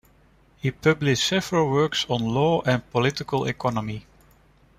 He published several works on law and political economy.